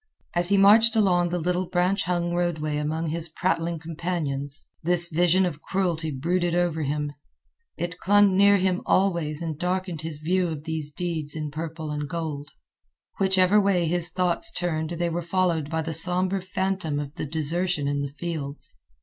As he marched along the little branch hung roadway among his prattling companions this vision of cruelty brooded over him. It clung near him always and darkened his view of these deeds in purple and gold. Whichever way his thoughts turned they were followed by the somber phantom of the desertion in the fields.